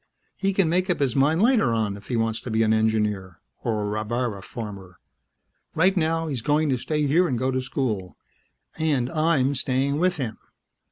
He can make up his mind later on if he wants to be an engineer or a rabbara farmer. Right now, he's going to stay here and go to school ... and I'm staying with him."